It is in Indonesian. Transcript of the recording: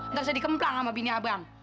ntar saya dikemplang sama bini abang